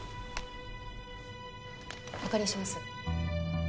お借りします